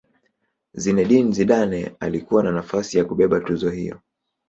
zinedine zidane alikuwa na nafasi ya kubeba tuzo hiyo